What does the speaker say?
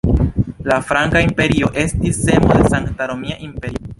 La franka imperio estis semo de Sankta Romia Imperio.